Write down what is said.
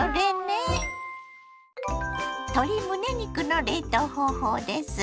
鶏むね肉の冷凍方法です。